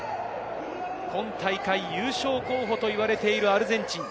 今大会、優勝候補と言われているアルゼンチン。